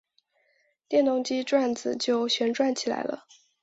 电动机转子就旋转起来了。